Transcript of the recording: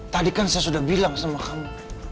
tadi kan saya sudah bilang sama kamu